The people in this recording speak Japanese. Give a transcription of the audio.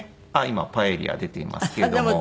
今パエリア出ていますけれども。